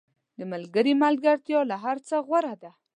• د ملګري ملګرتیا له هر څه غوره ده.